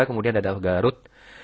kemudian ada daud garut